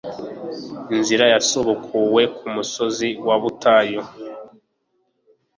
Inzira yasubukuwe I kumusozi wubutayu